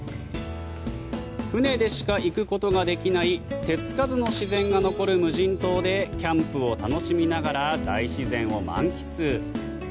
船でしか行くことができない手付かずの自然が残る無人島でキャンプを楽しみながら大自然を満喫。